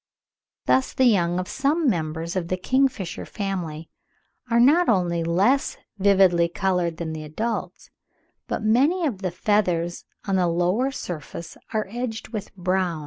Thus the young of some members of the kingfisher family are not only less vividly coloured than the adults, but many of the feathers on the lower surface are edged with brown (27.